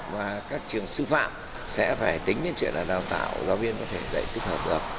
và các trường sư phạm sẽ phải tính đến chuyện là đào tạo giáo viên có thể dạy tích hợp được